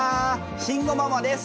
慎吾ママです！